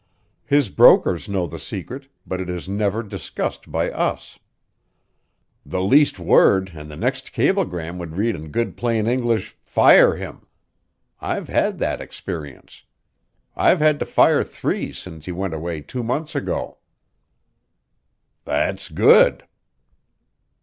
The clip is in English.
His brokers know the secret, but it is never discussed by us. The least word and the next cablegram would read in good plain English, 'Fire him!' I've had that experience. I've had to fire three since he went away two months ago." "That's good."